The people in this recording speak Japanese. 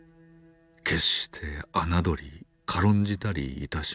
決してあなどり軽んじたりいたしません。